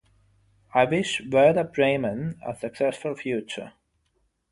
I wish Werder Bremen a successful future.